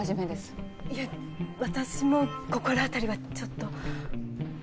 いえ私も心当たりはちょっと。